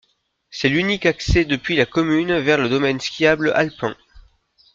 C'est l'unique accès depuis la commune vers le domaine skiable alpin.